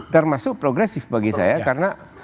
termasuk progresif bagi saya karena